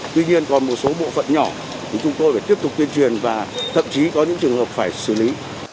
tuy nhiên còn một số bộ phận nhỏ thì chúng tôi phải tiếp tục tuyên truyền và thậm chí có những trường hợp phải xử lý